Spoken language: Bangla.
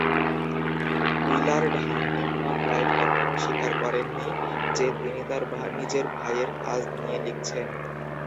উইলার্ড হান্টিংটন রাইট কখনও স্বীকার করেননি যে তিনি তার নিজের ভাইয়ের কাজ নিয়ে লিখছেন।